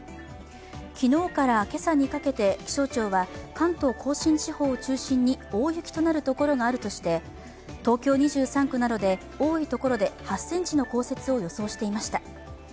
昨日から今朝にかけて気象庁は、関東甲信地方を中心に大雪となる所があるとして東京２３区などで多いところで８ｃｍの降雪を予想していました。